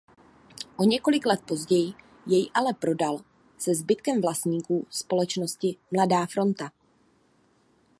O několik let později jej ale prodal se zbytkem vlastníků společnosti Mladá Fronta.